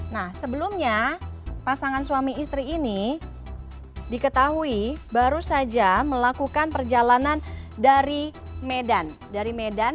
nah sebelumnya pasangan suami istri ini diketahui baru saja melakukan perjalanan dari medan dari medan